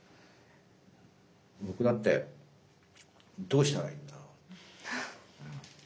僕だってどうしたらいいんだろう？